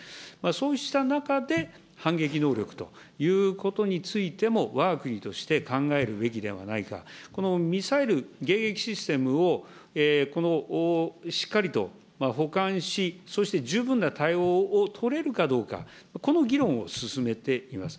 そうした中で反撃能力ということについても、わが国として考えるべきではないか、このミサイル迎撃システムをしっかりと補完し、そして十分な対応を取れるかどうか、この議論を進めています。